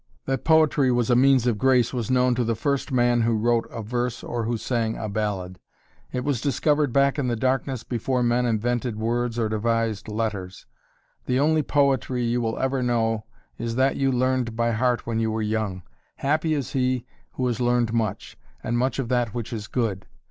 That poetry was a means of grace was known to the first man who wrote a verse or who sang a ballad. It was discovered back in the darkness before men invented words or devised letters. The only poetry you will ever know is that you learned by heart when you were young. Happy is he who has learned much, and much of that which is good.